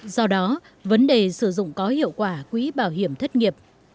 do đó vấn đề sử dụng có hiệu quả quỹ bảo hiểm thất nghiệp